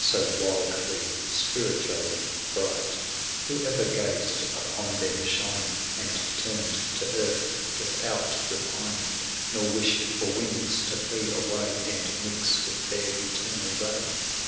So wildly, spiritually bright ;^> T«itfel fas II Who ever gazed upon them shining, !» nsfff And turned to earth without repining. Nor wished for wings to flee away, 205 And mix with their eternal ray